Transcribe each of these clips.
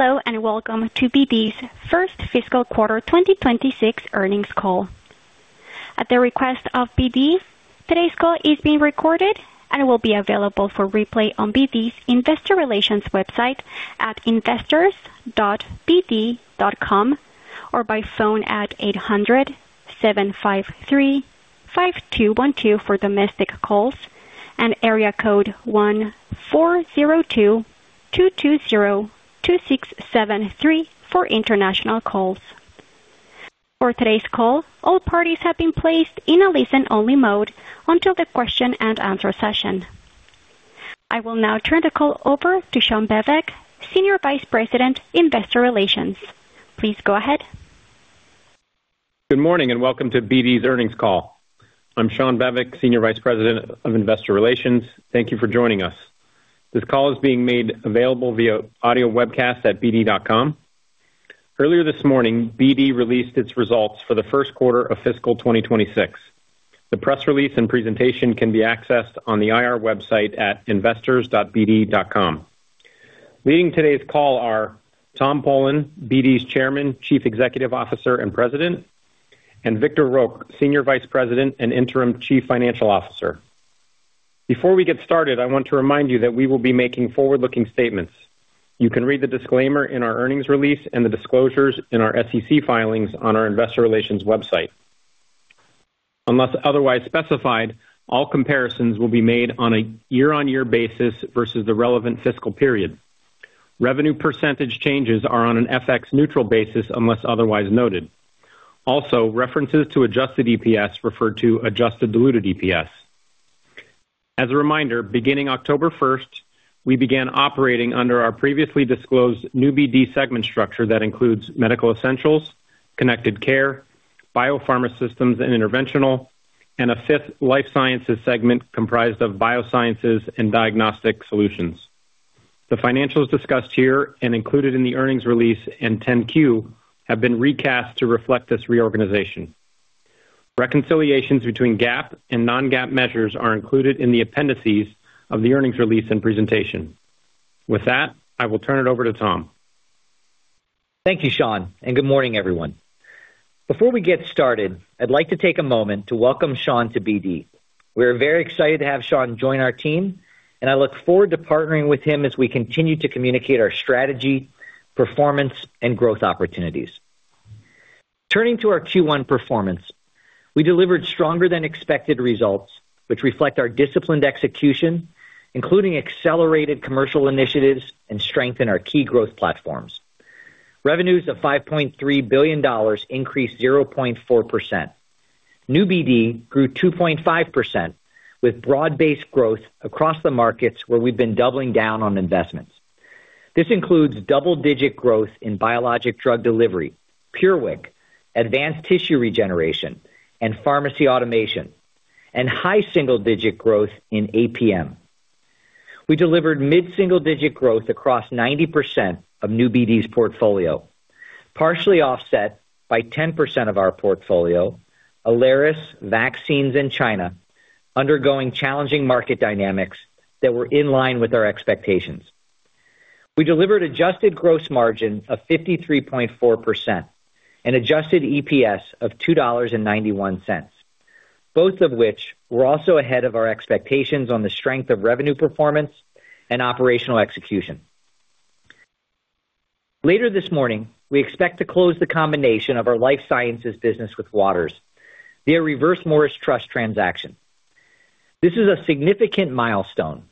Hello, and welcome to `BD's first fiscal quarter 2026 earnings call. At the request of BD, today's call is being recorded and will be available for replay on BD's investor relations website at investors.bd.com or by phone at 800-753-5212 for domestic calls and area code 1-402-220-2673 for international calls. For today's call, all parties have been placed in a listen-only mode until the question-and-answer session. I will now turn the call over to Shawn Bevec, Senior Vice President, Investor Relations. Please go ahead. Good morning, and welcome to BD's earnings call. I'm Shawn Bevec, Senior Vice President of Investor Relations. Thank you for joining us. This call is being made available via audio webcast at bd.com. Earlier this morning, BD released its results for the first quarter of fiscal 2026. The press release and presentation can be accessed on the IR website at investors.bd.com. Leading today's call are Tom Polen, BD's Chairman, Chief Executive Officer, and President, and Vitor Roque, Senior Vice President and Interim Chief Financial Officer. Before we get started, I want to remind you that we will be making forward-looking statements. You can read the disclaimer in our earnings release and the disclosures in our SEC filings on our investor relations website. Unless otherwise specified, all comparisons will be made on a year-on-year basis versus the relevant fiscal period. Revenue percentage changes are on an FX neutral basis, unless otherwise noted. Also, references to adjusted EPS refer to adjusted diluted EPS. As a reminder, beginning October first, we began operating under our previously disclosed New BD segment structure that includes Medical Essentials, Connected Care, Biopharma Systems and Interventional, and a fifth Life Sciences segment comprised of Biosciences and Diagnostic Solutions. The financials discussed here and included in the earnings release and 10-Q have been recast to reflect this reorganization. Reconciliations between GAAP and non-GAAP measures are included in the appendices of the earnings release and presentation. With that, I will turn it over to Tom. Thank you, Shawn, and good morning, everyone. Before we get started, I'd like to take a moment to welcome Shawn to BD. We are very excited to have Shawn join our team, and I look forward to partnering with him as we continue to communicate our strategy, performance, and growth opportunities. Turning to our Q1 performance, we delivered stronger-than-expected results, which reflect our disciplined execution, including accelerated commercial initiatives and strength in our key growth platforms. Revenues of $5.3 billion increased 0.4%. New BD grew 2.5%, with broad-based growth across the markets where we've been doubling down on investments. This includes double-digit growth in Biologic Drug Delivery, PureWick, Advanced Tissue Regeneration, and Pharmacy Automation, and high single-digit growth in APM. We delivered mid-single-digit growth across 90% of New BD's portfolio, partially offset by 10% of our portfolio, Alaris, vaccines in China, undergoing challenging market dynamics that were in line with our expectations. We delivered adjusted gross margin of 53.4% and adjusted EPS of $2.91, both of which were also ahead of our expectations on the strength of revenue, performance, and operational execution. Later this morning, we expect to close the combination of our Life Sciences business with Waters via Reverse Morris Trust transaction. This is a significant milestone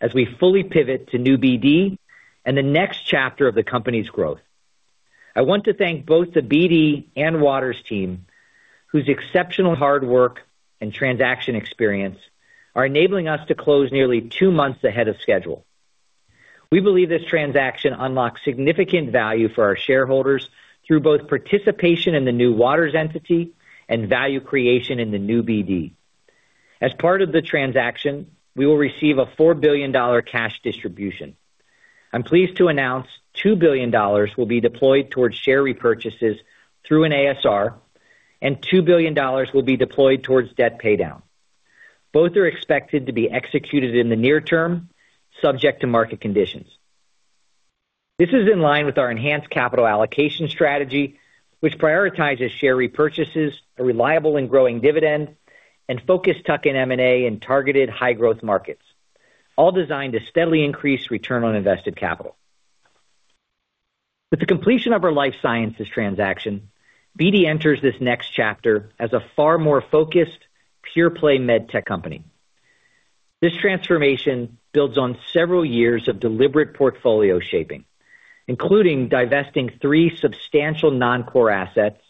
as we fully pivot to New BD and the next chapter of the company's growth. I want to thank both the BD and Waters team, whose exceptional hard work and transaction experience are enabling us to close nearly two months ahead of schedule. We believe this transaction unlocks significant value for our shareholders through both participation in the new Waters entity and value creation in the New BD. As part of the transaction, we will receive a $4 billion cash distribution. I'm pleased to announce $2 billion will be deployed towards share repurchases through an ASR and $2 billion will be deployed towards debt paydown. Both are expected to be executed in the near term, subject to market conditions. This is in line with our enhanced capital allocation strategy, which prioritizes share repurchases, a reliable and growing dividend, and focused tuck-in M&A in targeted high-growth markets, all designed to steadily increase return on invested capital. With the completion of our Life Sciences transaction, BD enters this next chapter as a far more focused, pure-play med tech company. This transformation builds on several years of deliberate portfolio shaping, including divesting 3 substantial non-core assets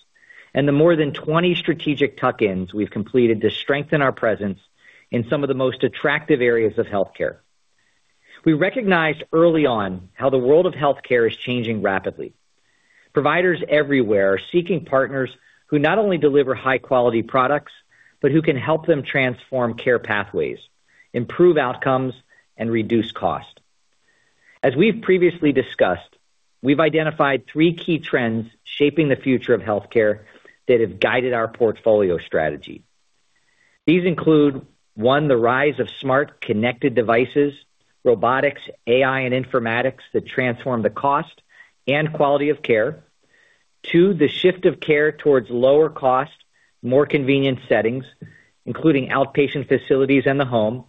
and the more than 20 strategic tuck-ins we've completed to strengthen our presence in some of the most attractive areas of healthcare. We recognized early on how the world of healthcare is changing rapidly. Providers everywhere are seeking partners who not only deliver high-quality products, but who can help them transform care pathways, improve outcomes, and reduce cost. As we've previously discussed, we've identified three key trends shaping the future of healthcare that have guided our portfolio strategy. These include, one, the rise of smart, connected devices, robotics, AI, and informatics that transform the cost and quality of care. Two, the shift of care towards lower cost, more convenient settings, including outpatient facilities and the home.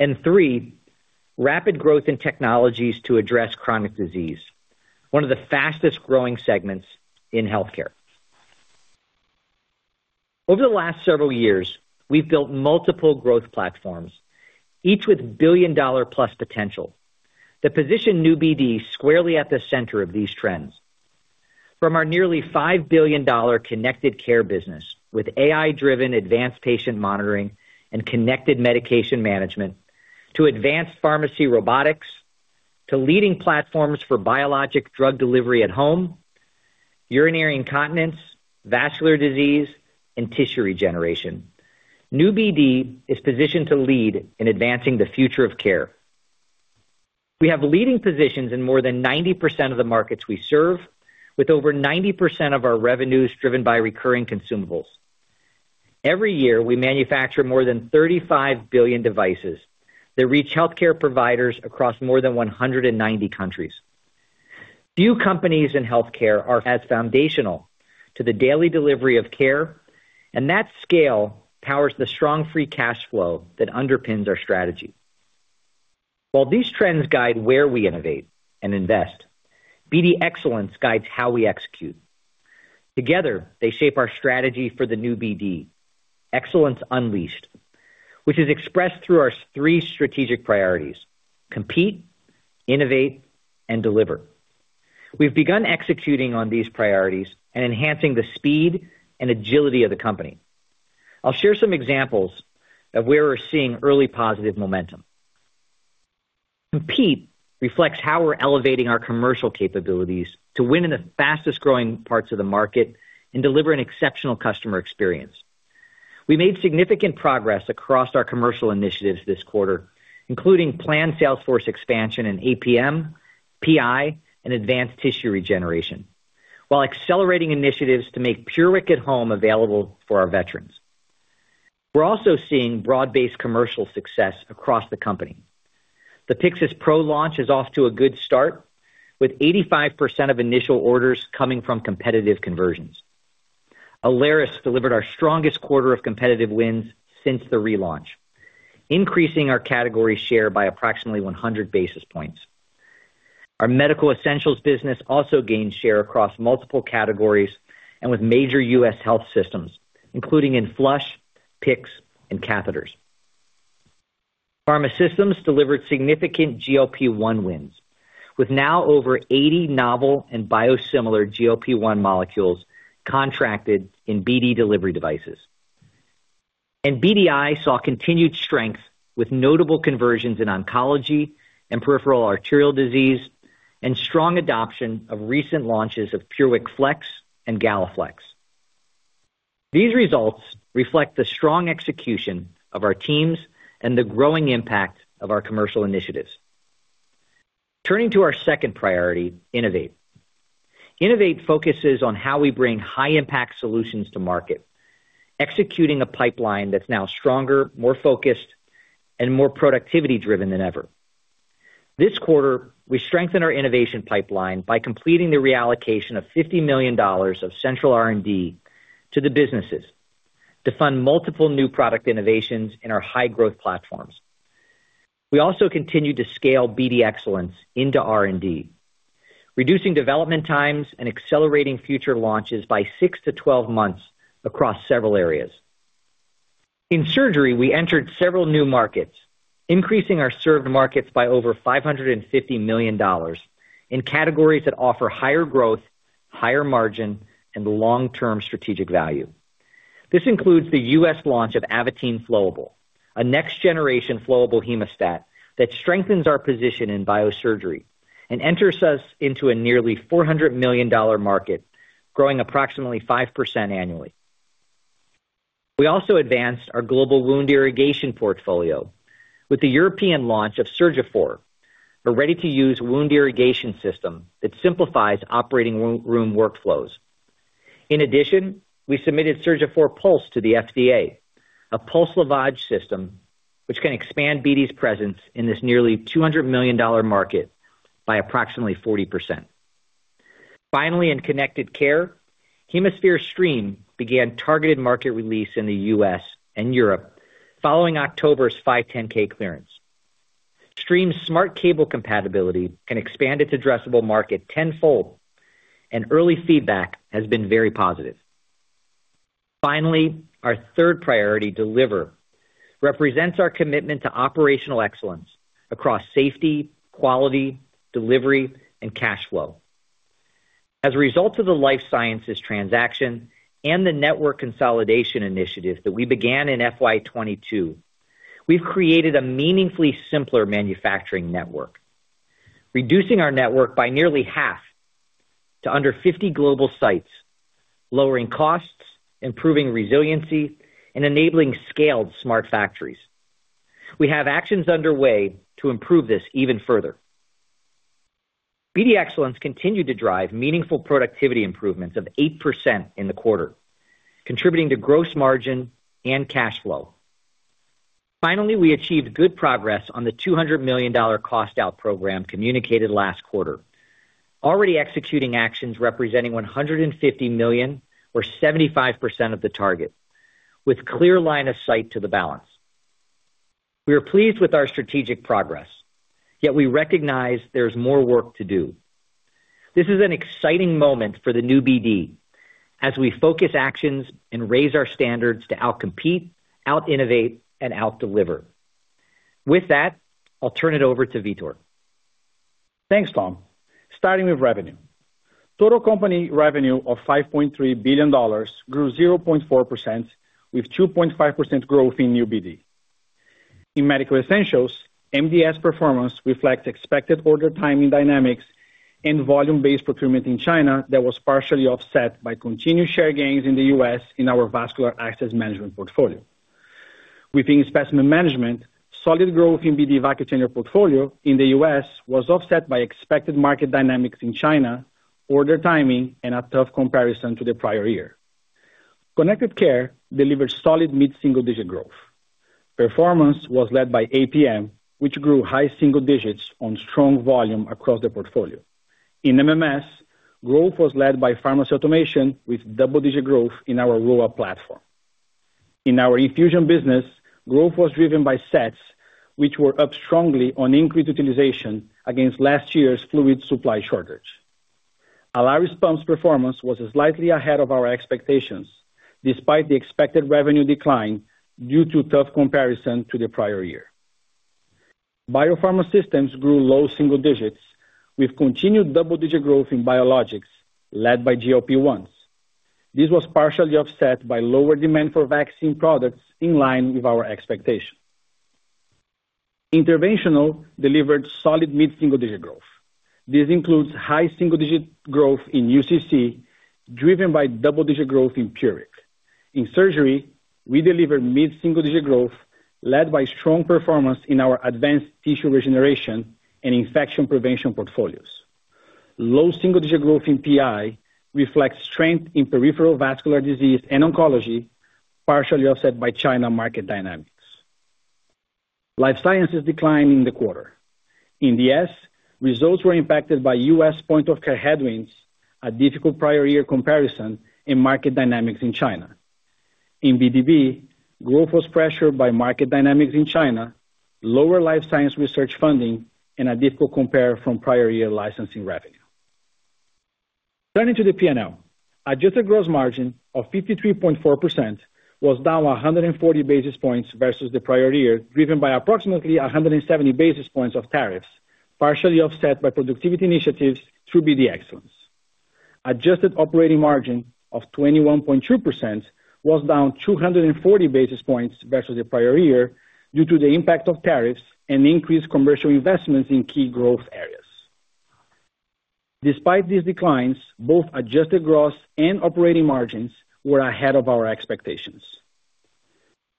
And three, rapid growth in technologies to address chronic disease, one of the fastest-growing segments in healthcare. Over the last several years, we've built multiple growth platforms, each with billion-dollar-plus potential, that position New BD squarely at the center of these trends. From our nearly $5 billion Connected Care business, with AI-driven advanced patient monitoring and connected medication management, to advanced pharmacy robotics, to leading platforms for biologic drug delivery at home, urinary incontinence, vascular disease, and tissue regeneration. New BD is positioned to lead in advancing the future of care. We have leading positions in more than 90% of the markets we serve, with over 90% of our revenues driven by recurring consumables. Every year, we manufacture more than 35 billion devices that reach healthcare providers across more than 190 countries. Few companies in healthcare are as foundational to the daily delivery of care, and that scale powers the strong free cash flow that underpins our strategy. While these trends guide where we innovate and invest, BD Excellence guides how we execute. Together, they shape our strategy for the New BD, Excellence Unleashed, which is expressed through our three strategic priorities: compete, innovate, and deliver. We've begun executing on these priorities and enhancing the speed and agility of the company. I'll share some examples of where we're seeing early positive momentum. Compete reflects how we're elevating our commercial capabilities to win in the fastest-growing parts of the market and deliver an exceptional customer experience. We made significant progress across our commercial initiatives this quarter, including planned sales force expansion in APM, PI, and Advanced Tissue Regeneration, while accelerating initiatives to make PureWick at home available for our veterans. We're also seeing broad-based commercial success across the company. The Pyxis Pro launch is off to a good start, with 85% of initial orders coming from competitive conversions. Alaris delivered our strongest quarter of competitive wins since the relaunch, increasing our category share by approximately 100 basis points. Our Medical Essentials business also gained share across multiple categories and with major U.S. health systems, including in flush, PICCs, and catheters. Pharma Systems delivered significant GLP-1 wins, with now over 80 novel and biosimilar GLP-1 molecules contracted in BD delivery devices. And BDI saw continued strength, with notable conversions in oncology and peripheral arterial disease and strong adoption of recent launches of PureWick Flex and GalaFLEX. These results reflect the strong execution of our teams and the growing impact of our commercial initiatives. Turning to our second priority, innovate. Innovate focuses on how we bring high-impact solutions to market, executing a pipeline that's now stronger, more focused, and more productivity-driven than ever. This quarter, we strengthened our innovation pipeline by completing the reallocation of $50 million of central R&D to the businesses to fund multiple new product innovations in our high-growth platforms. We also continued to scale BD Excellence into R&D, reducing development times and accelerating future launches by 6-12 months across several areas. In surgery, we entered several new markets, increasing our served markets by over $550 million in categories that offer higher growth, higher margin, and long-term strategic value. This includes the U.S. launch of Avitene Flowable, a next-generation flowable hemostat that strengthens our position in biosurgery and enters us into a nearly $400 million market, growing approximately 5% annually. We also advanced our global wound irrigation portfolio with the European launch of Surgiphor, a ready-to-use wound irrigation system that simplifies operating room workflows. In addition, we submitted Surgiphor Pulse to the FDA, a pulse lavage system, which can expand BD's presence in this nearly $200 million market by approximately 40%. Finally, in Connected Care, HemoSphere Stream began targeted market release in the US and Europe following October's 510(k) clearance. Stream's smart cable compatibility can expand its addressable market tenfold, and early feedback has been very positive. Finally, our third priority, deliver, represents our commitment to operational excellence across safety, quality, delivery, and cash flow. As a result of the Life Sciences transaction and the network consolidation initiatives that we began in FY22, we've created a meaningfully simpler manufacturing network, reducing our network by nearly half to under 50 global sites, lowering costs, improving resiliency, and enabling scaled smart factories. We have actions underway to improve this even further. BD Excellence continued to drive meaningful productivity improvements of 8% in the quarter, contributing to gross margin and cash flow. Finally, we achieved good progress on the $200 million cost out program communicated last quarter. Already executing actions representing $150 million, or 75% of the target, with clear line of sight to the balance. We are pleased with our strategic progress, yet we recognize there's more work to do. This is an exciting moment for the New BD as we focus actions and raise our standards to out-compete, out-innovate, and out-deliver. With that, I'll turn it over to Vitor. Thanks, Tom. Starting with revenue. Total company revenue of $5.3 billion grew 0.4%, with 2.5% growth in New BD. In Medical Essentials, MDS performance reflects expected order timing dynamics and volume-based procurement in China that was partially offset by continued share gains in the US in our Vascular Access Management portfolio. Within Specimen Management, solid growth in BD Vacutainer portfolio in the US was offset by expected market dynamics in China, order timing, and a tough comparison to the prior year. Connected Care delivered solid mid-single-digit growth. Performance was led by APM, which grew high single digits on strong volume across the portfolio. In MMS, growth was led by pharmacy automation, with double-digit growth in our Rowa platform. In our Infusion business, growth was driven by sets, which were up strongly on increased utilization against last year's fluid supply shortage. Alaris performance was slightly ahead of our expectations, despite the expected revenue decline due to tough comparison to the prior year. Biopharma Systems grew low single digits, with continued double-digit growth in biologics, led by GLP-1s. This was partially offset by lower demand for vaccine products in line with our expectation. Interventional delivered solid mid-single-digit growth. This includes high single-digit growth in UCC, driven by double-digit growth in PureWick. In surgery, we delivered mid-single-digit growth, led by strong performance in our Advanced Tissue Regeneration and Infection Prevention Portfolios. Low single-digit growth in PI reflects strength in peripheral vascular disease and oncology, partially offset by China market dynamics. Life Sciences declined in the quarter. In the LS, results were impacted by US point-of-care headwinds, a difficult prior year comparison, and market dynamics in China. In BDB, growth was pressured by market dynamics in China, lower Life Sciences research funding, and a difficult compare from prior year licensing revenue. Turning to the P&L. Adjusted gross margin of 53.4% was down 140 basis points versus the prior year, driven by approximately 170 basis points of tariffs, partially offset by productivity initiatives through BD Excellence. Adjusted operating margin of 21.2% was down 240 basis points versus the prior year due to the impact of tariffs and increased commercial investments in key growth areas. Despite these declines, both adjusted gross and operating margins were ahead of our expectations.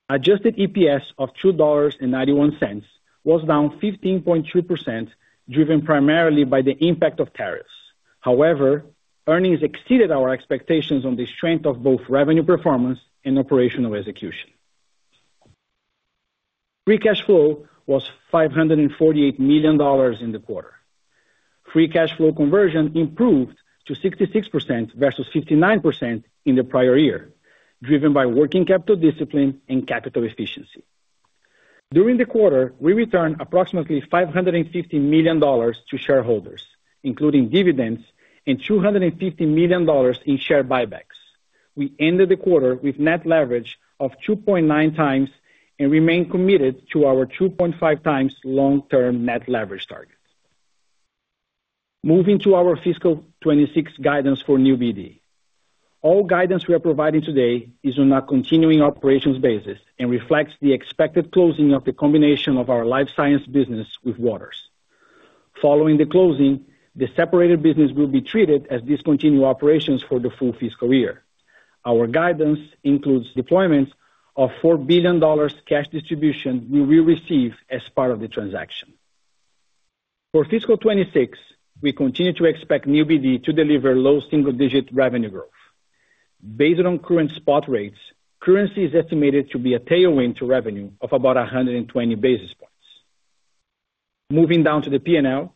Adjusted EPS of $2.91 was down 15.2%, driven primarily by the impact of tariffs. However, earnings exceeded our expectations on the strength of both revenue performance and operational execution. Free cash flow was $548 million in the quarter. Free cash flow conversion improved to 66% versus 59% in the prior year, driven by working capital discipline and capital efficiency. During the quarter, we returned approximately $550 million to shareholders, including dividends and $250 million in share buybacks. We ended the quarter with net leverage of 2.9 times and remain committed to our 2.5 times long-term net leverage target. Moving to our fiscal 2026 guidance for New BD. All guidance we are providing today is on a continuing operations basis and reflects the expected closing of the combination of our life science business with Waters. Following the closing, the separated business will be treated as discontinued operations for the full fiscal year. Our guidance includes deployment of $4 billion cash distribution we will receive as part of the transaction. For fiscal 2026, we continue to expect New BD to deliver low single-digit revenue growth. Based on current spot rates, currency is estimated to be a tailwind to revenue of about 120 basis points. Moving down to the P&L,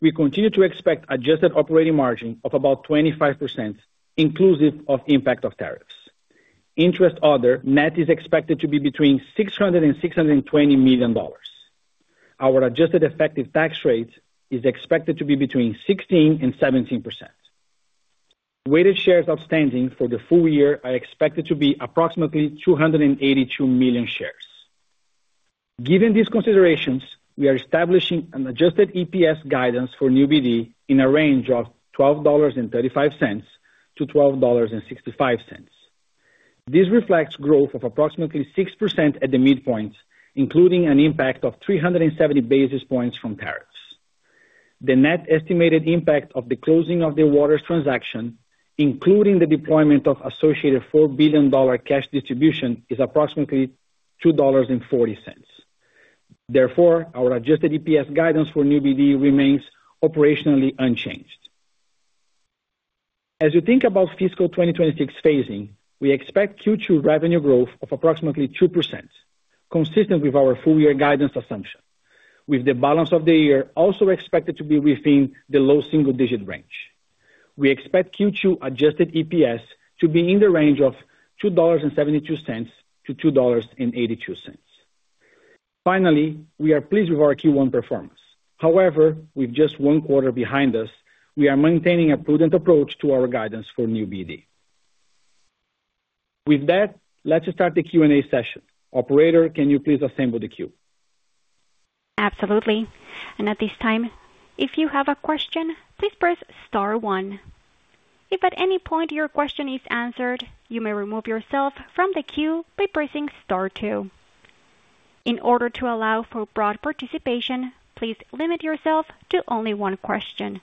we continue to expect adjusted operating margin of about 25%, inclusive of the impact of tariffs. Interest other net is expected to be between $600 million and $620 million. Our adjusted effective tax rate is expected to be between 16% and 17%. Weighted shares outstanding for the full year are expected to be approximately 282 million shares. Given these considerations, we are establishing an adjusted EPS guidance for New BD in a range of $12.35-$12.65. This reflects growth of approximately 6% at the midpoint, including an impact of 370 basis points from tariffs. The net estimated impact of the closing of the Waters transaction, including the deployment of associated $4 billion cash distribution, is approximately $2.40. Therefore, our adjusted EPS guidance for New BD remains operationally unchanged. As you think about fiscal 2026 phasing, we expect Q2 revenue growth of approximately 2%, consistent with our full year guidance assumption, with the balance of the year also expected to be within the low single digit range. We expect Q2 adjusted EPS to be in the range of $2.72-$2.82. Finally, we are pleased with our Q1 performance. However, with just one quarter behind us, we are maintaining a prudent approach to our guidance for New BD. With that, let's start the Q&A session. Operator, can you please assemble the queue? Absolutely. At this time, if you have a question, please press star one. If at any point your question is answered, you may remove yourself from the queue by pressing star two. In order to allow for broad participation, please limit yourself to only one question.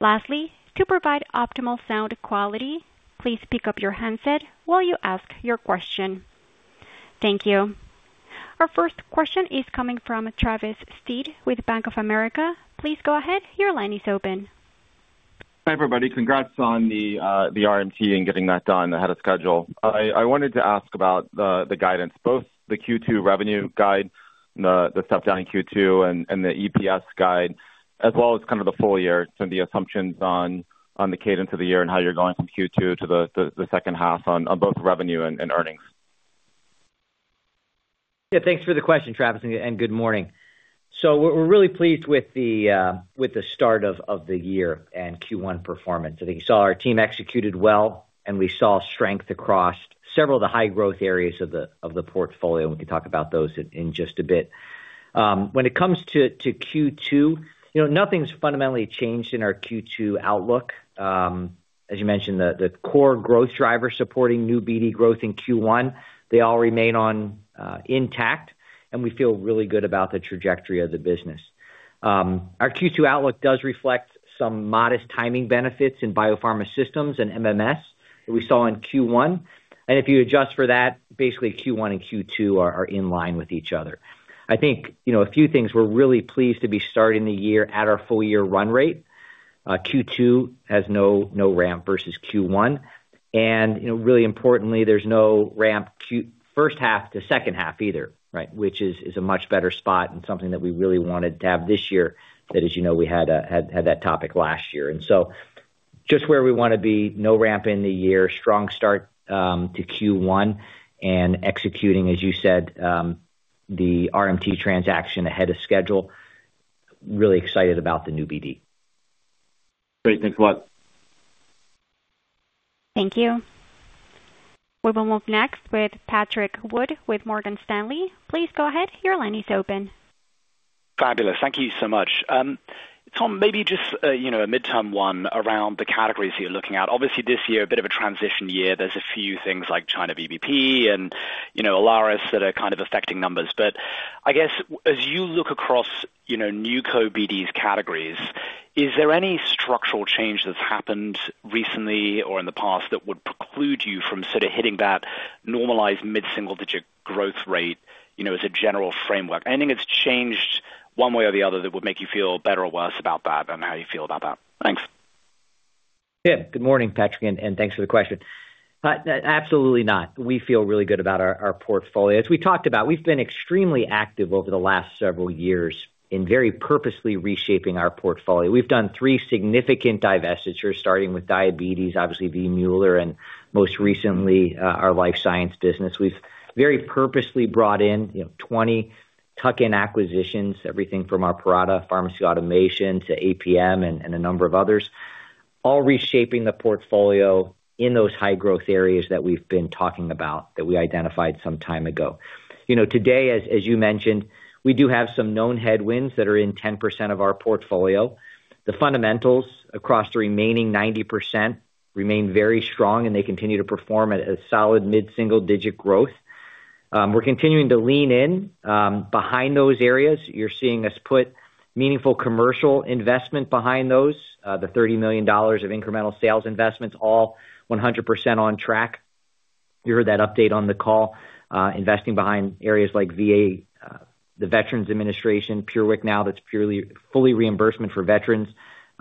Lastly, to provide optimal sound quality, please pick up your handset while you ask your question. Thank you. Our first question is coming from Travis Steed with Bank of America. Please go ahead. Your line is open. Hi, everybody. Congrats on the RMT and getting that done ahead of schedule. I wanted to ask about the guidance, both the Q2 revenue guide, the step down in Q2 and the EPS guide, as well as kind of the full year, some of the assumptions on the cadence of the year and how you're going from Q2 to the second half on both revenue and earnings. Yeah, thanks for the question, Travis, and good morning. So we're really pleased with the start of the year and Q1 performance. I think you saw our team executed well, and we saw strength across several of the high growth areas of the portfolio. We can talk about those in just a bit. When it comes to Q2, you know, nothing's fundamentally changed in our Q2 outlook. As you mentioned, the core growth drivers supporting New BD growth in Q1, they all remain intact, and we feel really good about the trajectory of the business. Our Q2 outlook does reflect some modest timing benefits in Biopharma Systems and MMS that we saw in Q1. And if you adjust for that, basically Q1 and Q2 are in line with each other. I think, you know, a few things, we're really pleased to be starting the year at our full year run rate. Q2 has no ramp versus Q1. And, you know, really importantly, there's no ramp from first half to second half either, right? Which is a much better spot and something that we really wanted to have this year, that, as you know, we had that topic last year. And so just where we want to be, no ramp in the year, strong start to Q1 and executing, as you said, the RMT transaction ahead of schedule. Really excited about the New BD. Great. Thanks a lot. Thank you. We will move next with Patrick Wood with Morgan Stanley. Please go ahead. Your line is open. Fabulous. Thank you so much. Tom, maybe just, you know, a midterm one around the categories you're looking at. Obviously, this year, a bit of a transition year. There's a few things like China VBP and, you know, Alaris, that are kind of affecting numbers. But I guess as you look across, you know, new core BD's categories, is there any structural change that's happened recently or in the past that would preclude you from sort of hitting that normalized mid-single digit growth rate, you know, as a general framework? Anything that's changed one way or the other that would make you feel better or worse about that than how you feel about that? Thanks. Yeah. Good morning, Patrick, and thanks for the question. Absolutely not. We feel really good about our portfolio. As we talked about, we've been extremely active over the last several years in very purposely reshaping our portfolio. We've done 3 significant divestitures, starting with diabetes, obviously V. Mueller, and most recently, our life science business. We've very purposely brought in, you know, 20 tuck-in acquisitions, everything from our Parata Pharmacy Automation to APM and a number of others, all reshaping the portfolio in those high growth areas that we've been talking about, that we identified some time ago. You know, today, as you mentioned, we do have some known headwinds that are in 10% of our portfolio. The fundamentals across the remaining 90% remain very strong, and they continue to perform at a solid mid-single digit growth. We're continuing to lean in behind those areas. You're seeing us put meaningful commercial investment behind those. The $30 million of incremental sales investments, all 100% on track. You heard that update on the call, investing behind areas like VA, the Veterans Administration, PureWick now, that's purely fully reimbursement for veterans,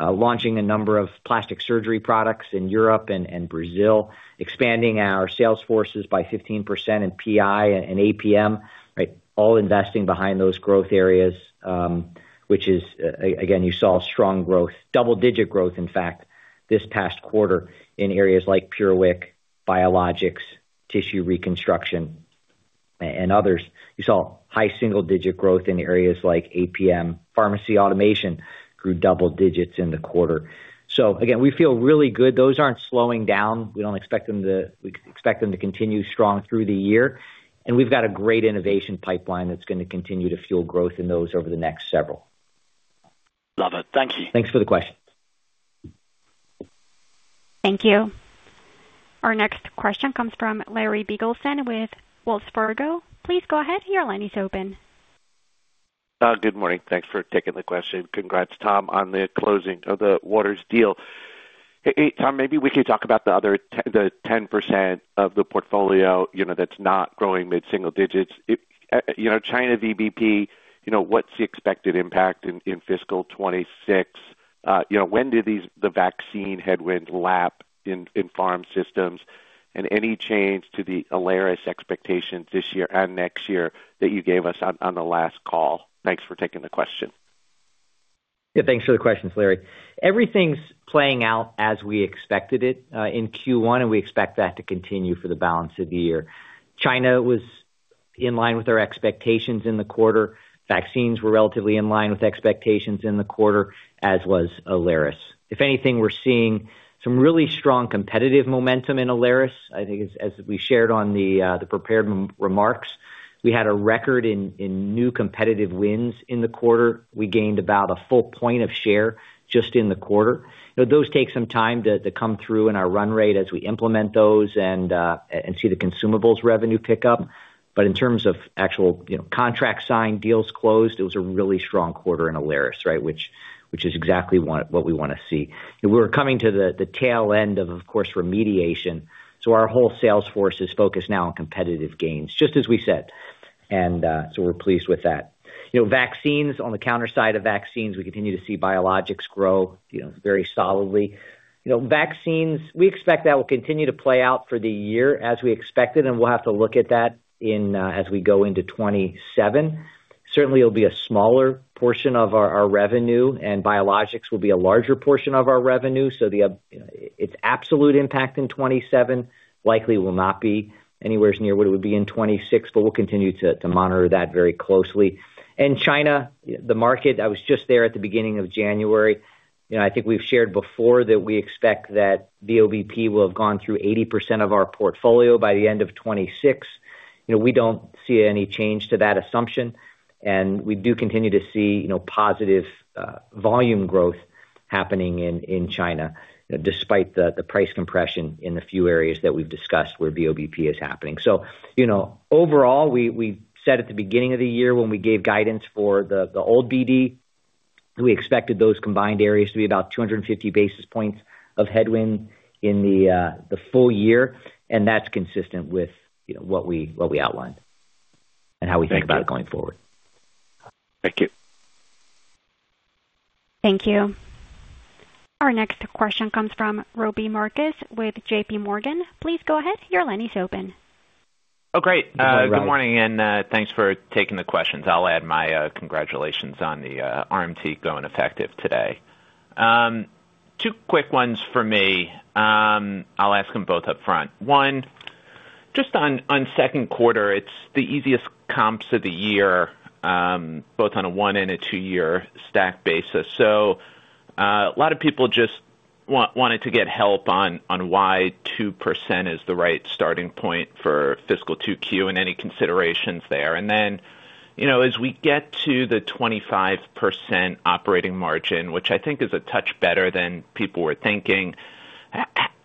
launching a number of plastic surgery products in Europe and Brazil, expanding our sales forces by 15% in PI and APM, right? All investing behind those growth areas, which is, again, you saw strong growth, double-digit growth, in fact, this past quarter in areas like PureWick, biologics, tissue reconstruction, and others. You saw high single-digit growth in areas like APM. Pharmacy automation grew double digits in the quarter. So again, we feel really good. Those aren't slowing down. We expect them to continue strong through the year, and we've got a great innovation pipeline that's going to continue to fuel growth in those over the next several. Love it. Thank you. Thanks for the question. Thank you. Our next question comes from Larry Biegelsen with Wells Fargo. Please go ahead. Your line is open. Good morning. Thanks for taking the question. Congrats, Tom, on the closing of the Waters deal. Hey, Tom, maybe we could talk about the other, the 10% of the portfolio, you know, that's not growing mid-single digits. It, you know, China VBP, you know, what's the expected impact in, in fiscal 2026? You know, when do these-- the vaccine headwind lap in, in farm systems? And any change to the Alaris expectations this year and next year that you gave us on, on the last call? Thanks for taking the question. Yeah, thanks for the questions, Larry. Everything's playing out as we expected it in Q1, and we expect that to continue for the balance of the year. China was in line with our expectations in the quarter. Vaccines were relatively in line with expectations in the quarter, as was Alaris. If anything, we're seeing some really strong competitive momentum in Alaris. I think as we shared on the prepared remarks, we had a record in new competitive wins in the quarter. We gained about a full point of share just in the quarter. Those take some time to come through in our run rate as we implement those and see the consumables revenue pick up. But in terms of actual, you know, contract signed, deals closed, it was a really strong quarter in Alaris, right? Which is exactly what we wanna see. We're coming to the tail end of course, remediation, so our whole sales force is focused now on competitive gains, just as we said. And so we're pleased with that. You know, vaccines, on the counter side of vaccines, we continue to see biologics grow, you know, very solidly. You know, vaccines, we expect that will continue to play out for the year as we expected, and we'll have to look at that in, as we go into 2027. Certainly, it'll be a smaller portion of our revenue, and biologics will be a larger portion of our revenue. So its absolute impact in 2027 likely will not be anywheres near what it would be in 2026, but we'll continue to monitor that very closely. China, the market, I was just there at the beginning of January. You know, I think we've shared before that we expect that VBP will have gone through 80% of our portfolio by the end of 2026. You know, we don't see any change to that assumption, and we do continue to see, you know, positive volume growth happening in, in China, despite the, the price compression in the few areas that we've discussed where VBP is happening. So, you know, overall, we, we said at the beginning of the year when we gave guidance for the, the old BD, we expected those combined areas to be about 250 basis points of headwind in the, the full year, and that's consistent with, you know, what we, what we outlined and how we think about it going forward. Thank you. Thank you. Our next question comes from Robbie Marcus with J.P. Morgan. Please go ahead. Your line is open. Oh, great. Hey, Robbie. Good morning, and thanks for taking the questions. I'll add my congratulations on the RMT going effective today. Two quick ones for me. I'll ask them both up front. One, just on second quarter, it's the easiest comps of the year, both on a one- and two-year stack basis. So, a lot of people just wanted to get help on why 2% is the right starting point for fiscal 2Q and any considerations there. And then, you know, as we get to the 25% operating margin, which I think is a touch better than people were thinking,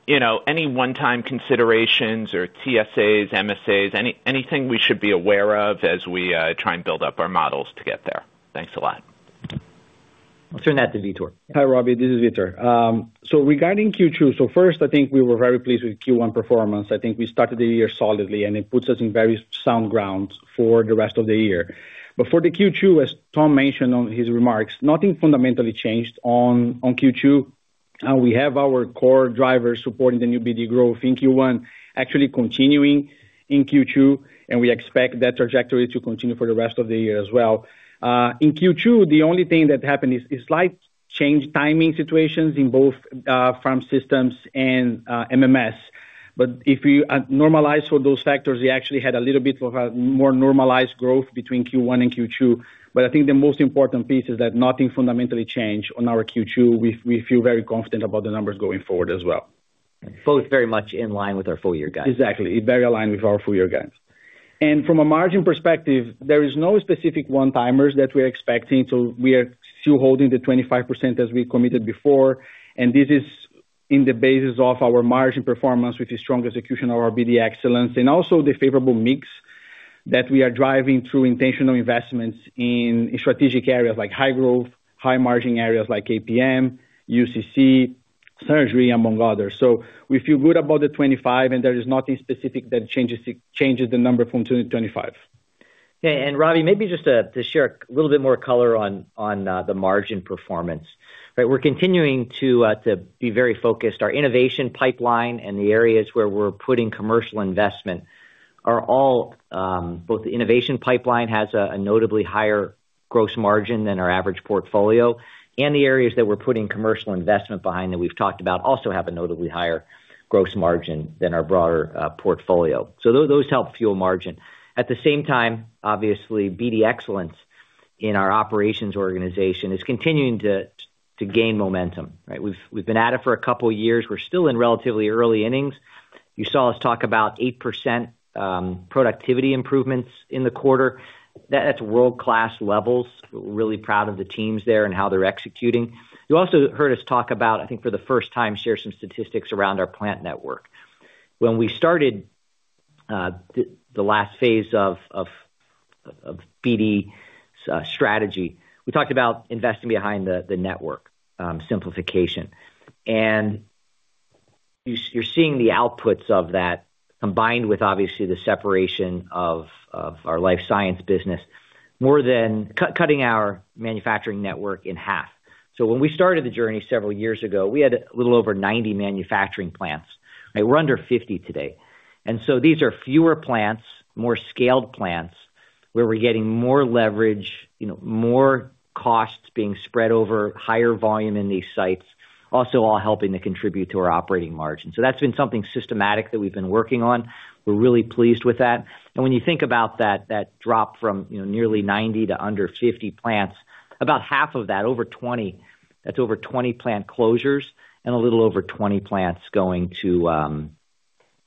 you know, any one-time considerations or TSAs, MSAs, anything we should be aware of as we try and build up our models to get there? Thanks a lot. I'll turn that to Vitor. Hi, Robbie, this is Vitor. So regarding Q2, first, I think we were very pleased with Q1 performance. I think we started the year solidly, and it puts us in very sound grounds for the rest of the year. But for the Q2, as Tom mentioned on his remarks, nothing fundamentally changed on Q2. We have our core drivers supporting the New BD growth in Q1, actually continuing in Q2, and we expect that trajectory to continue for the rest of the year as well. In Q2, the only thing that happened is slight change timing situations in both Pharm Systems and MMS. But if you normalize for those factors, we actually had a little bit of a more normalized growth between Q1 and Q2. But I think the most important piece is that nothing fundamentally changed on our Q2. We feel very confident about the numbers going forward as well. Both very much in line with our full-year guidance. Exactly. Very aligned with our full-year guidance. From a margin perspective, there is no specific one-timers that we're expecting, so we are still holding the 25% as we committed before. This is on the basis of our margin performance, which is strong execution of our BD excellence, and also the favorable mix that we are driving through intentional investments in strategic areas like high growth, high margin areas like APM, UCC, surgery, among others. So we feel good about the 25, and there is nothing specific that changes the number from 25. Robbie, maybe just to share a little bit more color on the margin performance, right? We're continuing to be very focused. Our innovation pipeline and the areas where we're putting commercial investment are all. Both the innovation pipeline has a notably higher gross margin than our average portfolio, and the areas that we're putting commercial investment behind that we've talked about also have a notably higher gross margin than our broader portfolio. So those help fuel margin. At the same time, obviously, BD excellence in our operations organization is continuing to gain momentum, right? We've been at it for a couple of years. We're still in relatively early innings. You saw us talk about 8% productivity improvements in the quarter. That's world-class levels. We're really proud of the teams there and how they're executing. You also heard us talk about, I think, for the first time, share some statistics around our plant network. When we started the last phase of BD strategy, we talked about investing behind the network simplification. And you're seeing the outputs of that, combined with obviously the separation of our life science business, more than cutting our manufacturing network in half. So when we started the journey several years ago, we had a little over 90 manufacturing plants, and we're under 50 today. And so these are fewer plants, more scaled plants, where we're getting more leverage, you know, more costs being spread over higher volume in these sites, also all helping to contribute to our operating margin. So that's been something systematic that we've been working on. We're really pleased with that. When you think about that, that drop from, you know, nearly 90 to under 50 plants, about half of that, over 20, that's over 20 plant closures and a little over 20 plants going to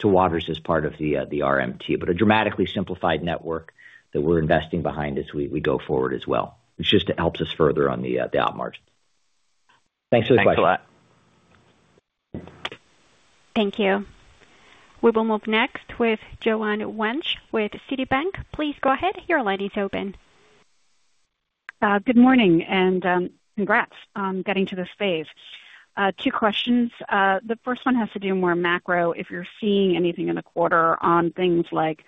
Waters as part of the RMT. But a dramatically simplified network that we're investing behind as we go forward as well, which just helps us further on the op margins. Thanks for the question. Thanks a lot. Thank you. We will move next with Joanne Wuensch with Citi. Please go ahead. Your line is open. Good morning, and congrats on getting to this phase. Two questions. The first one has to do more macro, if you're seeing anything in the quarter on things like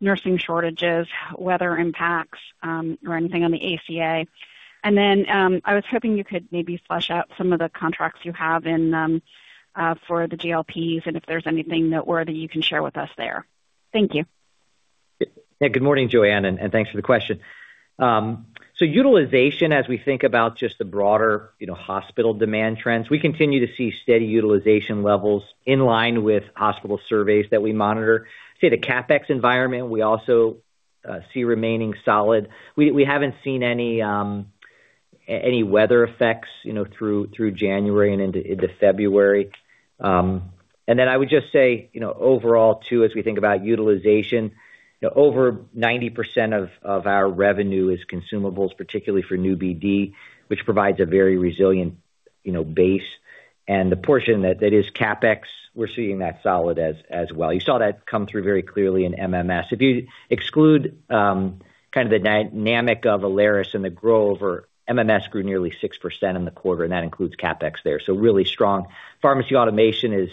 nursing shortages, weather impacts, or anything on the ACA. And then, I was hoping you could maybe flesh out some of the contracts you have in, for the GLPs and if there's anything noteworthy you can share with us there. Thank you. Yeah. Good morning, Joanne, and thanks for the question. So utilization, as we think about just the broader, you know, hospital demand trends, we continue to see steady utilization levels in line with hospital surveys that we monitor. I'd say the CapEx environment, we also see remaining solid. We haven't seen any weather effects, you know, through January and into February. And then I would just say, you know, overall, too, as we think about utilization, over 90% of our revenue is consumables, particularly for New BD, which provides a very resilient, you know, base. And the portion that is CapEx, we're seeing that solid as well. You saw that come through very clearly in MMS. If you exclude kind of the dynamic of Alaris and the growth over, MMS grew nearly 6% in the quarter, and that includes CapEx there, so really strong. Pharmacy Automation is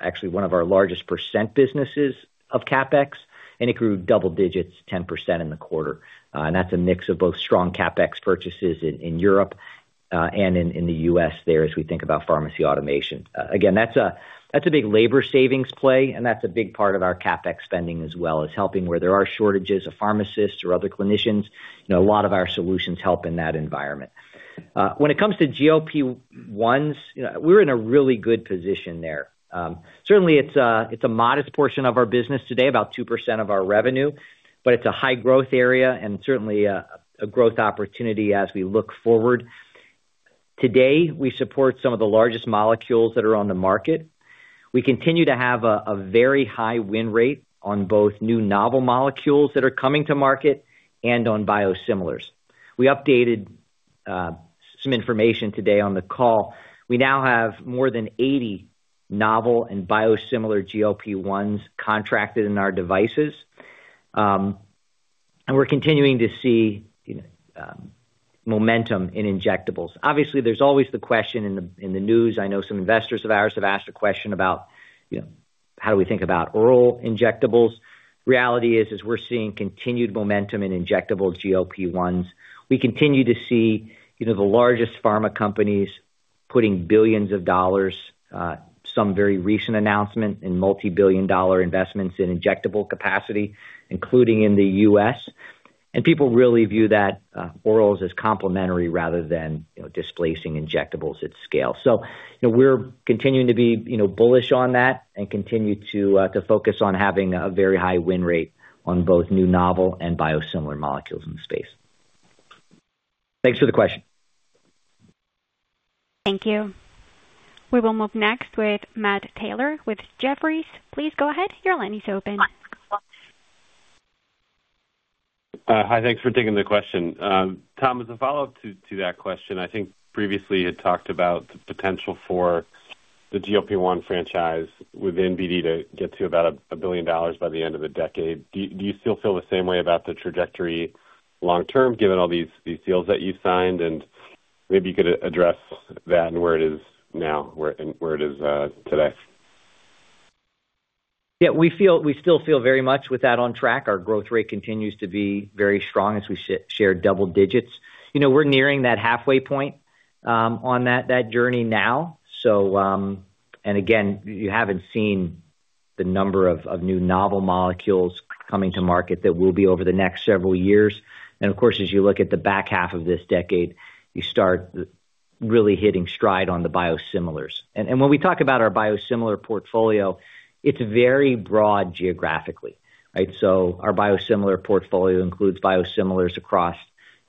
actually one of our largest percent businesses of CapEx, and it grew double digits, 10% in the quarter. And that's a mix of both strong CapEx purchases in Europe and in the US there, as we think about pharmacy automation. Again, that's a big labor savings play, and that's a big part of our CapEx spending as well, is helping where there are shortages of pharmacists or other clinicians. You know, a lot of our solutions help in that environment. When it comes to GLP-1s, you know, we're in a really good position there. Certainly it's a, it's a modest portion of our business today, about 2% of our revenue, but it's a high-growth area and certainly a, a growth opportunity as we look forward. Today, we support some of the largest molecules that are on the market. We continue to have a, a very high win rate on both new novel molecules that are coming to market and on biosimilars. We updated some information today on the call. We now have more than 80 novel and biosimilar GLP-1s contracted in our devices, and we're continuing to see, you know, momentum in injectables. Obviously, there's always the question in the, in the news, I know some investors of ours have asked a question about, you know, how do we think about oral injectables? Reality is, is we're seeing continued momentum in injectable GLP-1s. We continue to see, you know, the largest pharma companies putting billions of dollars, some very recent announcement in multibillion-dollar investments in injectable capacity, including in the U.S. And people really view that, orals as complementary rather than, you know, displacing injectables at scale. So you know, we're continuing to be, you know, bullish on that and continue to, to focus on having a very high win rate on both new novel and biosimilar molecules in the space. Thanks for the question. Thank you. We will move next with Matt Taylor with Jefferies. Please go ahead. Your line is open. Hi, thanks for taking the question. Tom, as a follow-up to that question, I think previously you had talked about the potential for the GLP-1 franchise within BD to get to about $1 billion by the end of the decade. Do you still feel the same way about the trajectory long term, given all these deals that you've signed? And maybe you could address that and where it is now and where it is today. Yeah, we still feel very much with that on track. Our growth rate continues to be very strong as we share double digits. You know, we're nearing that halfway point on that, that journey now. So and again, you haven't seen the number of new novel molecules coming to market that will be over the next several years. And of course, as you look at the back half of this decade, you start really hitting stride on the biosimilars. And when we talk about our biosimilar portfolio, it's very broad geographically, right? So our biosimilar portfolio includes biosimilars across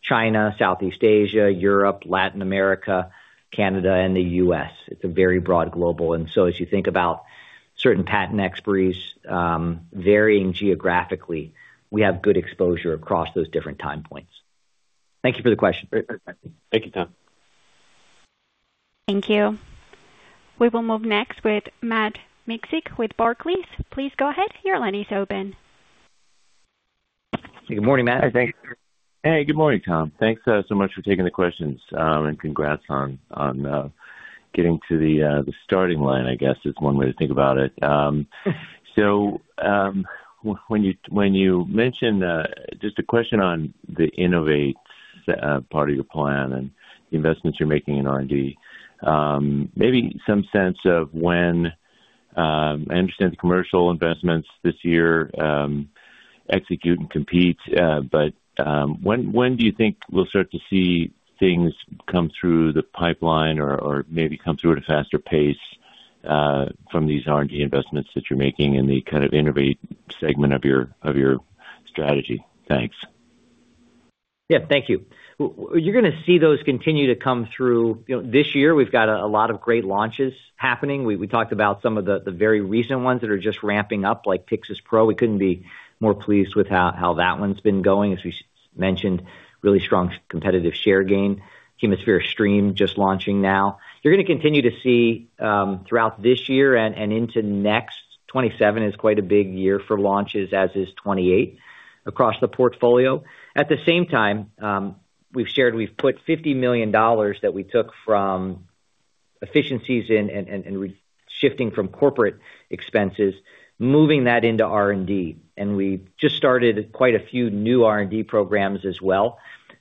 China, Southeast Asia, Europe, Latin America, Canada, and the US. It's a very broad global. And so as you think about certain patent expiries varying geographically, we have good exposure across those different time points. Thank you for the question. Thank you, Tom. Thank you. We will move next with Matt Miksic with Barclays. Please go ahead. Your line is open. Good morning, Matt. How are you? Hey, good morning, Tom. Thanks so much for taking the questions, and congrats on getting to the starting line, I guess, is one way to think about it. So, when you mentioned just a question on the innovate part of your plan and the investments you're making in R&D. Maybe some sense of when I understand the commercial investments this year, execute and compete, but when do you think we'll start to see things come through the pipeline or maybe come through at a faster pace from these R&D investments that you're making and the kind of innovate segment of your strategy? Thanks. Yeah, thank you. You're gonna see those continue to come through. You know, this year, we've got a lot of great launches happening. We talked about some of the very recent ones that are just ramping up, like Pyxis Pro. We couldn't be more pleased with how that one's been going. As we mentioned, really strong competitive share gain. HemoSphere Stream just launching now. You're gonna continue to see throughout this year and into next, 2027 is quite a big year for launches, as is 2028, across the portfolio. At the same time, we've shared, we've put $50 million that we took from efficiencies and reshifting from corporate expenses, moving that into R&D. And we just started quite a few new R&D programs as well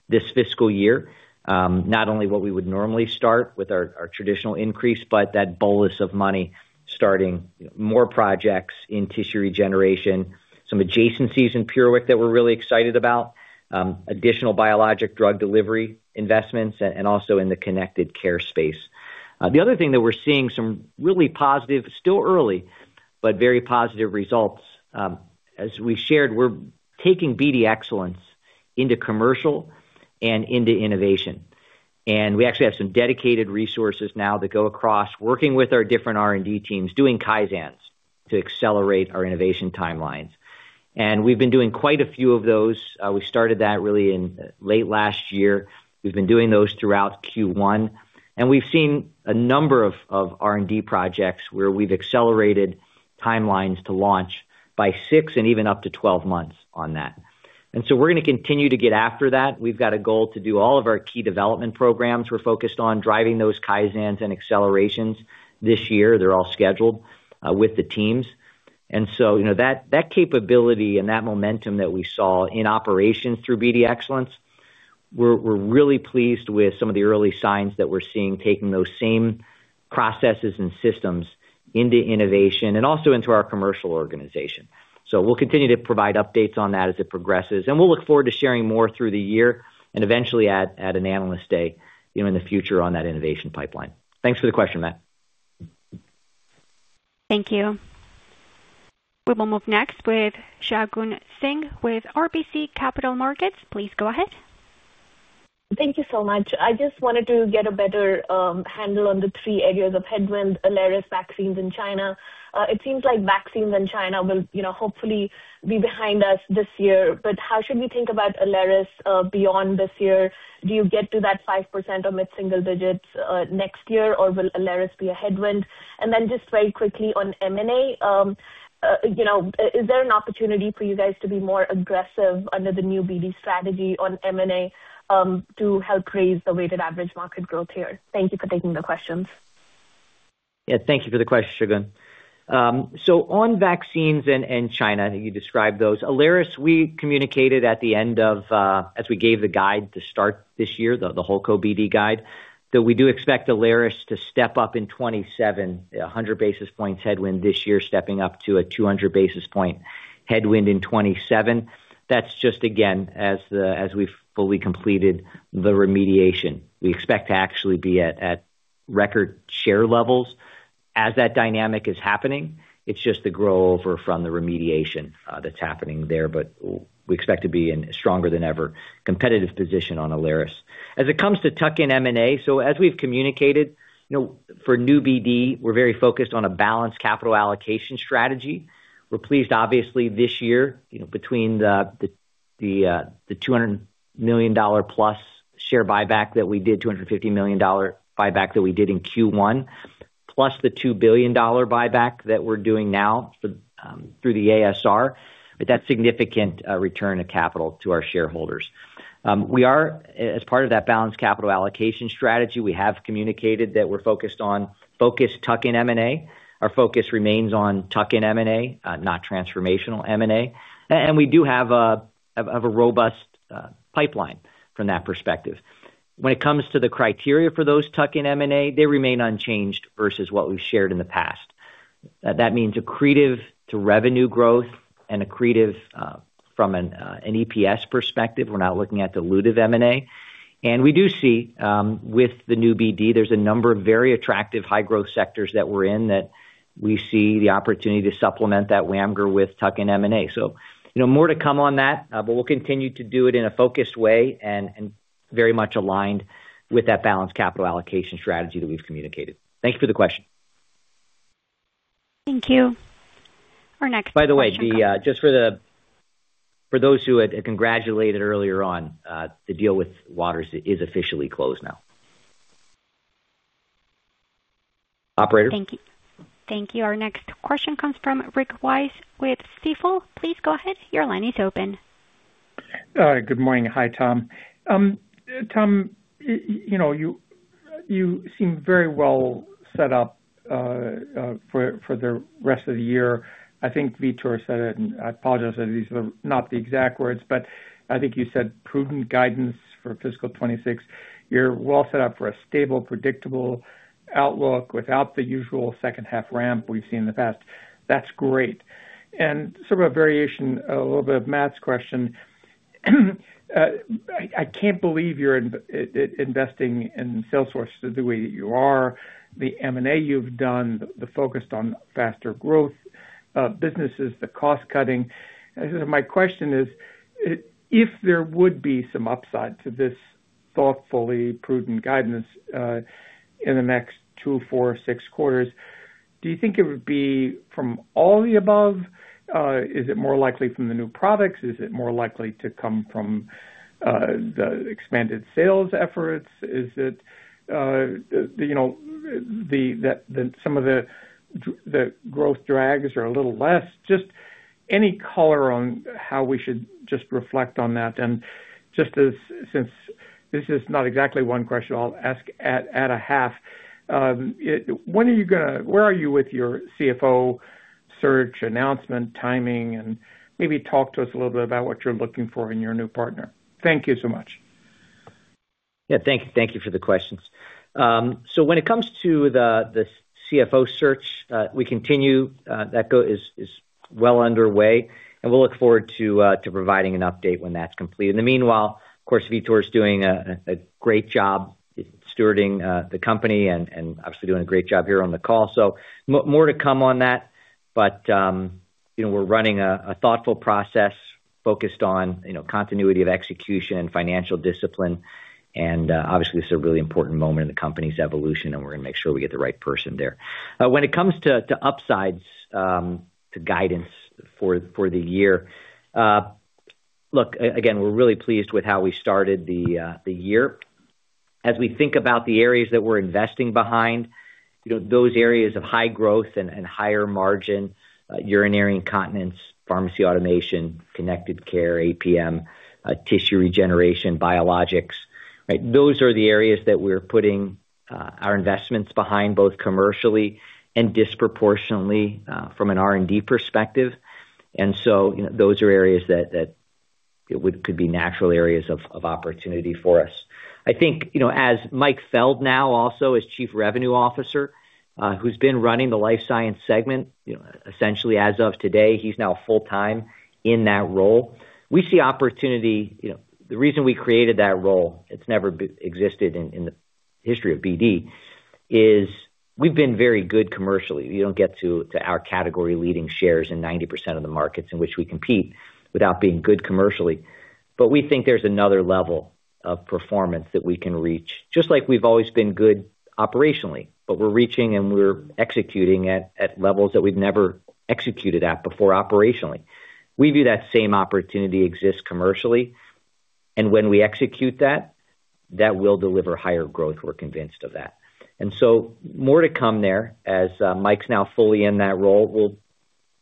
this fiscal year. Not only what we would normally start with our traditional increase, but that bolus of money, starting more projects in tissue regeneration, some adjacencies in PureWick that we're really excited about, additional Biologic Drug Delivery investments and also in the Connected Care space. The other thing that we're seeing some really positive, still early, but very positive results. As we shared, we're taking BD Excellence into commercial and into innovation. We actually have some dedicated resources now that go across, working with our different R&D teams, doing kaizens to accelerate our innovation timelines. We've been doing quite a few of those. We started that really in late last year. We've been doing those throughout Q1, and we've seen a number of R&D projects where we've accelerated timelines to launch by six and even up to 12 months on that. And so we're gonna continue to get after that. We've got a goal to do all of our key development programs. We're focused on driving those kaizens and accelerations this year. They're all scheduled with the teams. And so, you know, that capability and that momentum that we saw in operations through BD Excellence, we're really pleased with some of the early signs that we're seeing, taking those same processes and systems into innovation and also into our commercial organization. So we'll continue to provide updates on that as it progresses, and we'll look forward to sharing more through the year and eventually at an Analyst Day, you know, in the future on that innovation pipeline. Thanks for the question, Matt. Thank you. We will move next with Shagun Singh with RBC Capital Markets. Please go ahead. Thank you so much. I just wanted to get a better handle on the three areas of headwinds, Alaris, vaccines in China. It seems like vaccines in China will, you know, hopefully be behind us this year, but how should we think about Alaris beyond this year? Do you get to that 5% or mid-single digits next year, or will Alaris be a headwind? And then just very quickly on M&A, you know, is there an opportunity for you guys to be more aggressive under the New BD strategy on M&A to help raise the weighted average market growth here? Thank you for taking the questions. Yeah, thank you for the question, Shagun. So on vaccines and, and China, you described those. Alaris, we communicated at the end of, as we gave the guide to start this year, the, the whole COVID guide, that we do expect Alaris to step up in 2027, a 100 basis points headwind this year, stepping up to a 200 basis point headwind in 2027. That's just again, as the, as we've fully completed the remediation. We expect to actually be at, at record share levels. As that dynamic is happening, it's just the grow over from the remediation, that's happening there, but we expect to be in a stronger than ever competitive position on Alaris. As it comes to tuck-in M&A, so as we've communicated, you know, for New BD, we're very focused on a balanced capital allocation strategy. We're pleased, obviously, this year, you know, between the $200 million-plus share buyback that we did, $250 million buyback that we did in Q1, plus the $2 billion buyback that we're doing now through the ASR. But that's significant return of capital to our shareholders. We are, as part of that balanced capital allocation strategy, we have communicated that we're focused on tuck-in M&A. Our focus remains on tuck-in M&A, not transformational M&A. And we do have a robust pipeline from that perspective. When it comes to the criteria for those tuck-in M&A, they remain unchanged versus what we've shared in the past. That means accretive to revenue growth and accretive from an EPS perspective. We're not looking at dilutive M&A. And we do see, with the New BD, there's a number of very attractive high-growth sectors that we're in, that we see the opportunity to supplement that WAMGR with tuck-in M&A. So, you know, more to come on that, but we'll continue to do it in a focused way and very much aligned with that balanced capital allocation strategy that we've communicated. Thank you for the question. Thank you. Our next- By the way, just for those who had congratulated earlier on, the deal with Waters is officially closed now. Operator? Thank you. Thank you. Our next question comes from Rick Wise with Stifel. Please go ahead. Your line is open. Good morning. Hi, Tom. Tom, you know, you seem very well set up for the rest of the year. I think Vitor said it, and I apologize if these are not the exact words, but I think you said, "Prudent guidance for fiscal 2026." You're well set up for a stable, predictable outlook without the usual second half ramp we've seen in the past. That's great. Sort of a variation, a little bit of Matt's question. I can't believe you're investing in Salesforce the way that you are, the M&A you've done, the focus on faster growth businesses, the cost cutting. My question is, if there would be some upside to this thoughtfully prudent guidance, in the next two, four, or six quarters, do you think it would be from all the above? Is it more likely from the new products? Is it more likely to come from the expanded sales efforts? Is it, you know, that some of the growth drags are a little less? Just any color on how we should just reflect on that. And just as, since this is not exactly one question, I'll ask, add a half. When are you gonna—where are you with your CFO search, announcement, timing, and maybe talk to us a little bit about what you're looking for in your new partner. Thank you so much. Yeah, thank you. Thank you for the questions. So when it comes to the CFO search, it is well underway, and we'll look forward to providing an update when that's complete. In the meanwhile, of course, Vitor is doing a great job stewarding the company and obviously doing a great job here on the call. So more to come on that, but you know, we're running a thoughtful process focused on you know, continuity of execution and financial discipline. And obviously, this is a really important moment in the company's evolution, and we're going to make sure we get the right person there. When it comes to upsides to guidance for the year. Look, again, we're really pleased with how we started the year. As we think about the areas that we're investing behind, you know, those areas of high growth and higher margin, urinary incontinence, pharmacy automation, connected care, APM, tissue regeneration, biologics, right? Those are the areas that we're putting our investments behind, both commercially and disproportionately from an R&D perspective. So, you know, those are areas that could be natural areas of opportunity for us. I think, you know, as Mike Feld now also is Chief Revenue Officer, who's been running the Life Sciences segment, you know, essentially as of today, he's now full-time in that role. We see opportunity. You know, the reason we created that role, it's never existed in the history of BD, is we've been very good commercially. You don't get to our category leading shares in 90% of the markets in which we compete without being good commercially. But we think there's another level of performance that we can reach, just like we've always been good operationally, but we're reaching and we're executing at levels that we've never executed at before operationally. We view that same opportunity exists commercially, and when we execute that, that will deliver higher growth. We're convinced of that. And so more to come there. As Mike's now fully in that role, we'll,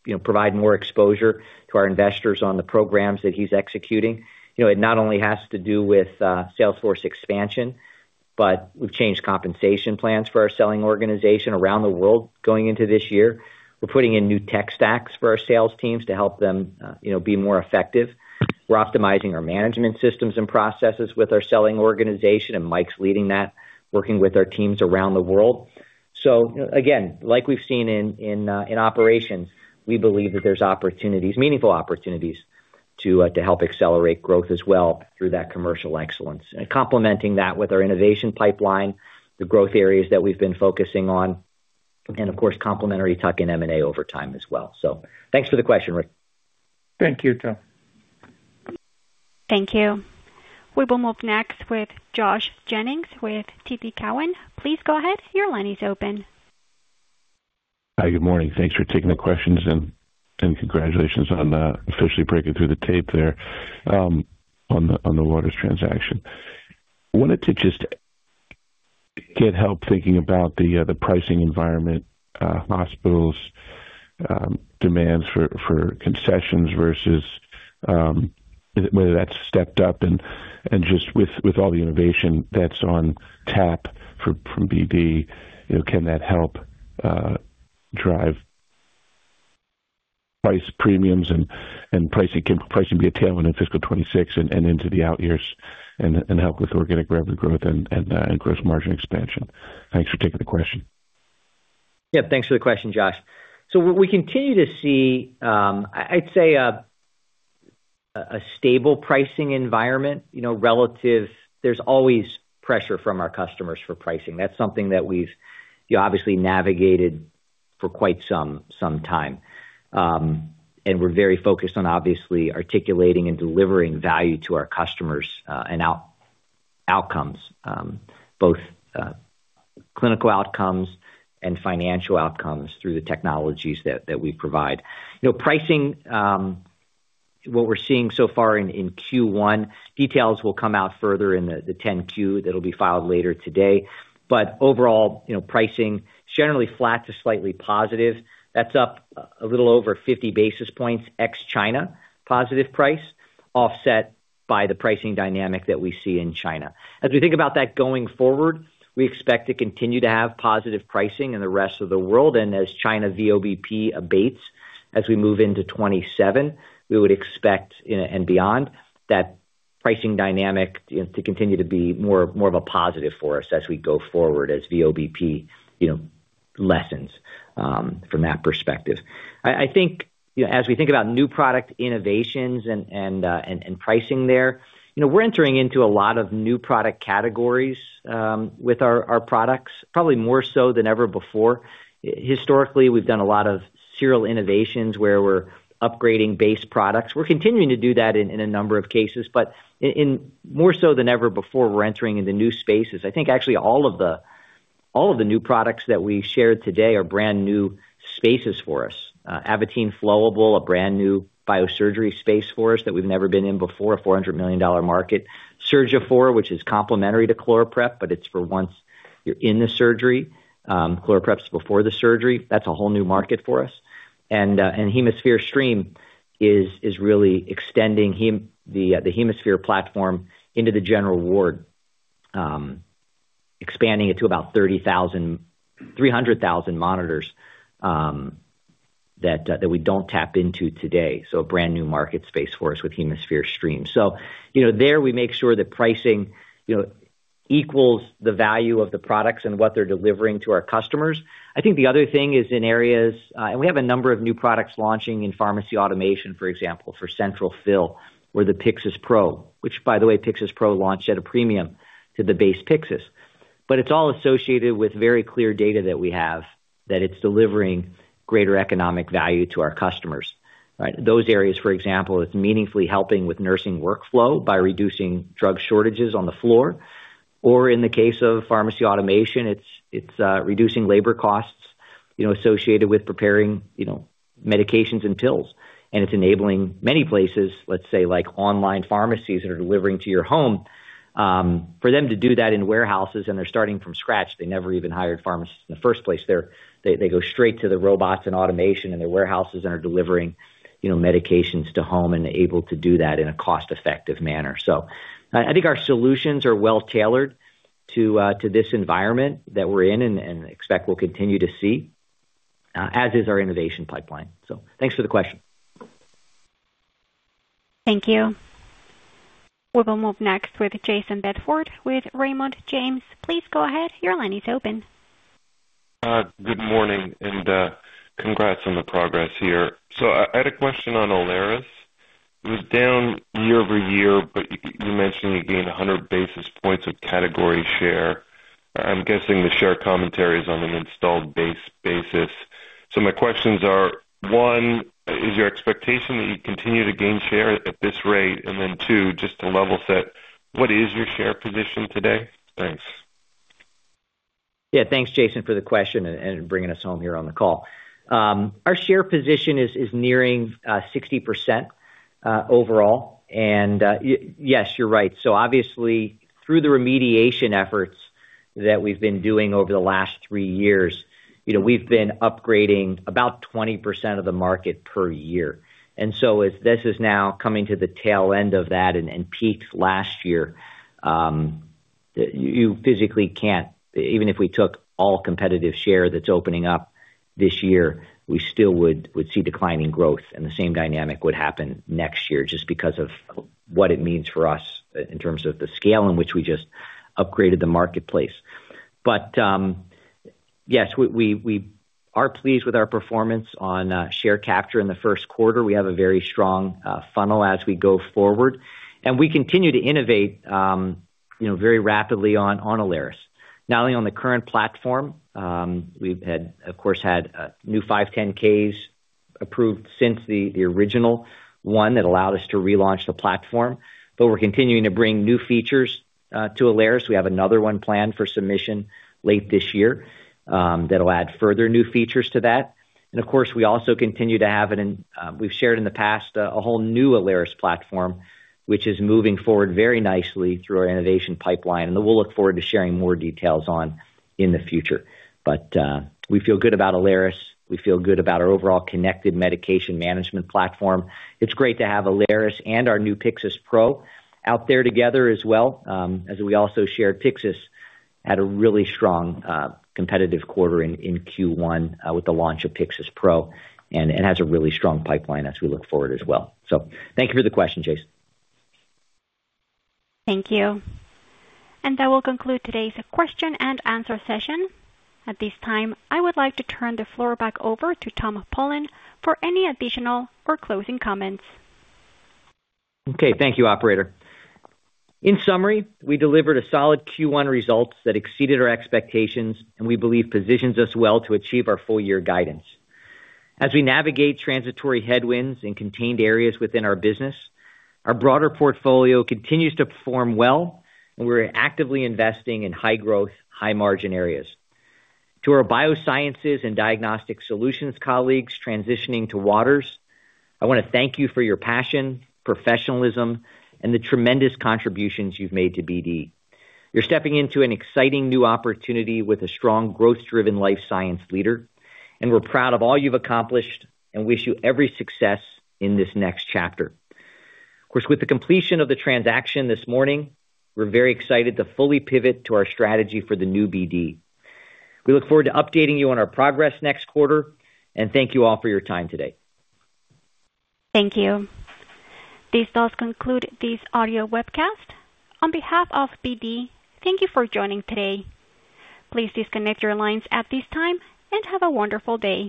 you know, provide more exposure to our investors on the programs that he's executing. You know, it not only has to do with sales force expansion, but we've changed compensation plans for our selling organization around the world going into this year. We're putting in new tech stacks for our sales teams to help them, you know, be more effective. We're optimizing our management systems and processes with our selling organization, and Mike's leading that, working with our teams around the world. So again, like we've seen in, in, in operations, we believe that there's opportunities, meaningful opportunities, to help accelerate growth as well through that commercial excellence. And complementing that with our innovation pipeline, the growth areas that we've been focusing on, and of course, complementary tuck-in M&A over time as well. So thanks for the question, Rick. Thank you, Tom. Thank you. We will move next with Josh Jennings with TD Cowen. Please go ahead. Your line is open. Hi, good morning. Thanks for taking the questions and congratulations on officially breaking through the tape there on the Waters transaction. Wanted to just get help thinking about the pricing environment, hospitals' demands for concessions versus whether that's stepped up and just with all the innovation that's on tap from BD, you know, can that help drive price premiums and pricing, can pricing be a tailwind in fiscal 2026 and into the out years and help with organic revenue growth and gross margin expansion? Thanks for taking the question. Yeah, thanks for the question, Josh. So we continue to see, I'd say a stable pricing environment, you know, relative. There's always pressure from our customers for pricing. That's something that we've, you know, obviously navigated for quite some time. And we're very focused on obviously articulating and delivering value to our customers, and outcomes, both clinical outcomes and financial outcomes through the technologies that we provide. You know, pricing, what we're seeing so far in Q1, details will come out further in the 10-Q that'll be filed later today. But overall, you know, pricing, generally flat to slightly positive. That's up a little over 50 basis points ex China, positive price, offset by the pricing dynamic that we see in China. As we think about that going forward, we expect to continue to have positive pricing in the rest of the world, and as China VBP abates as we move into 2027, we would expect, and, and beyond, that pricing dynamic to continue to be more, more of a positive for us as we go forward, as VBP, you know, lessens from that perspective. I, I think, you know, as we think about new product innovations and, and, and pricing there, you know, we're entering into a lot of new product categories with our, our products, probably more so than ever before. Historically, we've done a lot of serial innovations where we're upgrading base products. We're continuing to do that in, in a number of cases, but in, more so than ever before, we're entering into new spaces. I think actually all of the new products that we shared today are brand-new spaces for us. Avitene Flowable, a brand-new biosurgery space for us that we've never been in before, a $400 million market. Surgiphor, which is complementary to ChloraPrep, but it's for once you're in the surgery, ChloraPrep is before the surgery. That's a whole new market for us. And HemoSphere Stream is really extending the HemoSphere platform into the general ward, expanding it to about 30,000-300,000 monitors that we don't tap into today. So a brand-new market space for us with HemoSphere Stream. So, you know, there we make sure that pricing, you know, equals the value of the products and what they're delivering to our customers. I think the other thing is in areas, and we have a number of new products launching in pharmacy automation, for example, for central fill, or the Pyxis Pro, which, by the way, Pyxis Pro launched at a premium to the base Pyxis. But it's all associated with very clear data that we have, that it's delivering greater economic value to our customers, right? Those areas, for example, it's meaningfully helping with nursing workflow by reducing drug shortages on the floor, or in the case of Pharmacy Automation, it's reducing labor costs, you know, associated with preparing, you know, medications and pills. And it's enabling many places, let's say, like online pharmacies that are delivering to your home, for them to do that in warehouses, and they're starting from scratch. They never even hired pharmacists in the first place. They go straight to the robots and automation, and their warehouses are delivering, you know, medications to home and able to do that in a cost-effective manner. So I think our solutions are well-tailored to this environment that we're in and expect we'll continue to see, as is our innovation pipeline. So thanks for the question. Thank you. We will move next with Jayson Bedford with Raymond James. Please go ahead. Your line is open. Good morning, and congrats on the progress here. So I had a question on Alaris. It was down year-over-year, but you mentioned you gained 100 basis points of category share. I'm guessing the share commentary is on an installed base basis. So my questions are, one, is your expectation that you continue to gain share at this rate? And then, two, just to level set, what is your share position today? Thanks. Yeah, thanks, Jayson, for the question and bringing us home here on the call. Our share position is nearing 60% overall. And yes, you're right. So obviously, through the remediation efforts that we've been doing over the last 3 years, you know, we've been upgrading about 20% of the market per year. And so as this is now coming to the tail end of that and peaked last year, you physically can't, even if we took all competitive share that's opening up this year, we still would see declining growth, and the same dynamic would happen next year just because of what it means for us in terms of the scale in which we just upgraded the marketplace. But yes, we are pleased with our performance on share capture in the first quarter. We have a very strong funnel as we go forward, and we continue to innovate, you know, very rapidly on Alaris. Not only on the current platform, we've had, of course, new 510(k)s approved since the original one that allowed us to relaunch the platform, but we're continuing to bring new features to Alaris. We have another one planned for submission late this year, that'll add further new features to that. And of course, we also continue to have it in, we've shared in the past, a whole new Alaris platform, which is moving forward very nicely through our innovation pipeline, and we'll look forward to sharing more details on in the future. But we feel good about Alaris. We feel good about our overall connected medication management platform. It's great to have Alaris and our new Pyxis Pro out there together as well. As we also shared, Pyxis had a really strong competitive quarter in Q1 with the launch of Pyxis Pro and has a really strong pipeline as we look forward as well. So thank you for the question, Jayson. Thank you. That will conclude today's question and answer session. At this time, I would like to turn the floor back over to Tom Polen for any additional or closing comments. Okay, thank you, operator. In summary, we delivered a solid Q1 results that exceeded our expectations and we believe positions us well to achieve our full year guidance. As we navigate transitory headwinds and contained areas within our business, our broader portfolio continues to perform well, and we're actively investing in high growth, high margin areas. To our Biosciences and Diagnostic Solutions colleagues transitioning to Waters, I want to thank you for your passion, professionalism, and the tremendous contributions you've made to BD. You're stepping into an exciting new opportunity with a strong, growth-driven life science leader, and we're proud of all you've accomplished and wish you every success in this next chapter. Of course, with the completion of the transaction this morning, we're very excited to fully pivot to our strategy for the New BD. We look forward to updating you on our progress next quarter, and thank you all for your time today. Thank you. This does conclude this audio webcast. On behalf of BD, thank you for joining today. Please disconnect your lines at this time, and have a wonderful day.